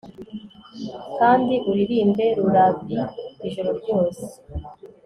kandi uririmbe lullabies ijoro ryose